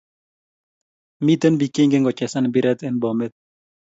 Miten pik che ingen kochesan mpiret en Bomet